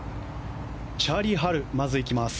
チャーリー・ハルまずいきます。